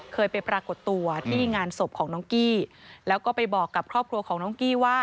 เคยไปปรากฏตัวที่งานศพของน้องกี้แล้วก็ไปบอกกับครอบครัวของน้องกี้ว่า